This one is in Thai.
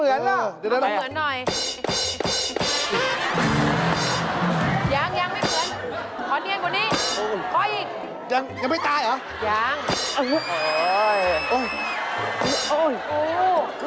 เออยังไม่ตายนะคร่อม